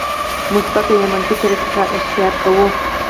مثبته یا منفي طریقه اختیار کوو.